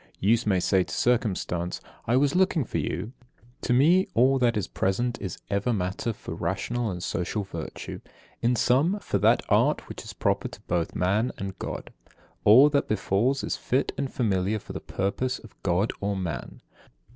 Use may say to circumstance: "I was looking for you. To me all that is present is ever matter for rational and social virtue, in sum, for that art which is proper both to man and God. All that befalls is fit and familiar for the purposes of God or man.